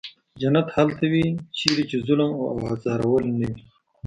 جنت هلته وي چېرته چې ظلم او ازارول نه وي.